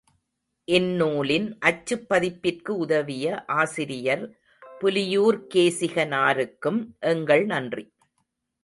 இந்நூலின் அச்சுப் பதிப்பிற்கு உதவிய ஆசிரியர் புலியூர்க் கேசிகனாருக்கும் எங்கள் நன்றி.